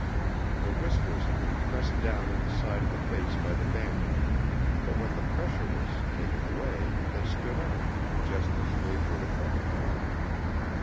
The whiskers had been pressed down on the side of the face by the bandaging; but when the pressure was taken away they stood out, just as they would have done in life.